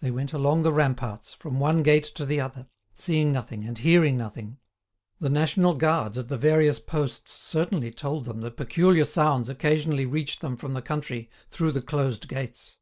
They went along the ramparts, from one gate to the other, seeing nothing and hearing nothing. The national guards at the various posts certainly told them that peculiar sounds occasionally reached them from the country through the closed gates.